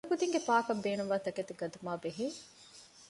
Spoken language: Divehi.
ކުޑަކުދިންގެ ޕާކަށް ބޭނުންވާ ތަކެތި ގަތުމާއި ބެހޭ